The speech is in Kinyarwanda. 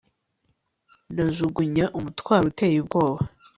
Najugunya umutwaro uteye ubwoba